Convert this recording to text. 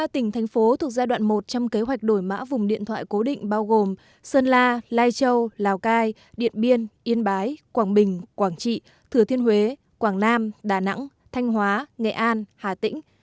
ba tỉnh thành phố thuộc giai đoạn một trong kế hoạch đổi mã vùng điện thoại cố định bao gồm sơn la lai châu lào cai điện biên yên bái quảng bình quảng trị thừa thiên huế quảng nam đà nẵng thanh hóa nghệ an hà tĩnh